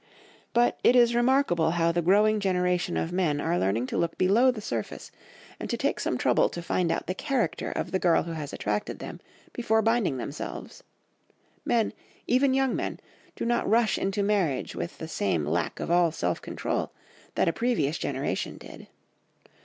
But it is remarkable how the growing generation of men are learning to look below the surface and to take some trouble to find out the character of the girl who has attracted them before binding themselves; men, even young men, do not rush into marriage with the same lack of all self control that a previous generation did.